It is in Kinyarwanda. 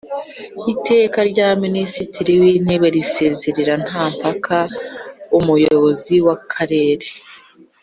Iteka rya Minisitiri w Intebe risezerera nta mpaka Umuyobozi w akarere